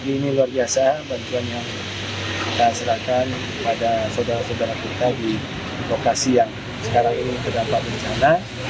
ini luar biasa bantuan yang kita serahkan pada saudara saudara kita di lokasi yang sekarang ini terdampak bencana